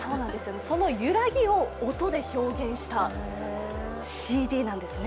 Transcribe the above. その揺らぎを音で表現したＣＤなんですね。